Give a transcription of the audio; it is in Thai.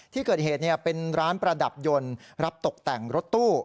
ที่เกิดเหตุเป็นร้านประดับยนต์รับตกแต่งรถตู้